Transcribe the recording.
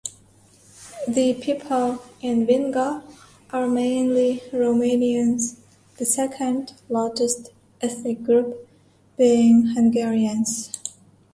The people in Vinga are mainly Romanians, the second largest ethnic group being Hungarians.